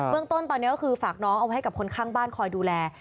เรื่องต้นตอนนี้ก็คือฝากน้องเอาไว้ให้กับคนข้างบ้านคอยดูแล